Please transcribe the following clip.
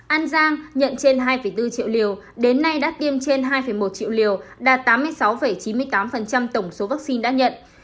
an giang nhận trên hai bốn triệu liều đến nay đã tiêm trên hai một triệu liều đạt tám mươi sáu chín mươi tám tổng số vaccine đã nhận